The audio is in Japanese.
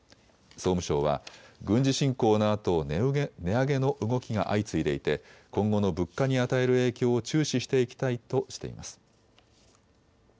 総務省は、軍事侵攻のあと値上げの動きが相次いでいて今後の物価に与える影響を注視していきたいとしています。